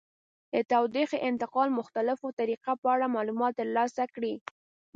د تودوخې انتقال مختلفو طریقو په اړه معلومات ترلاسه کړئ.